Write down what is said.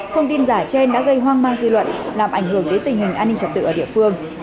thông tin giả trên đã gây hoang mang dư luận làm ảnh hưởng đến tình hình an ninh trật tự ở địa phương